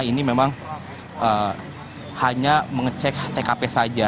ini memang hanya mengecek tkp saja